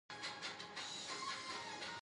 مزارشریف د افغانستان د ټولنې لپاره بنسټيز رول لري.